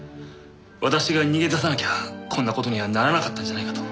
私が逃げ出さなきゃこんな事にはならなかったんじゃないかと。